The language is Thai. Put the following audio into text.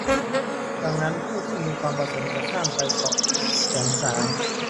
ดังนั้นผู้ที่มีความประสงค์จะข้ามไปเกาะแสมสาร